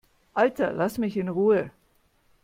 Alter, lass mich in Ruhe!